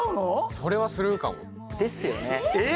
それはするかもですよね